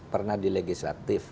pernah di legislatif